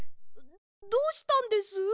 どうしたんです？